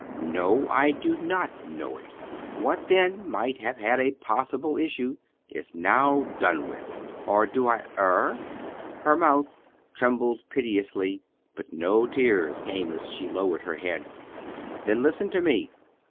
"No; I do not know it. What then might have had a possible issue is now done with or do I err?" Her mouth trembled piteously, but no tears came as she lowered her head. "Then listen to me.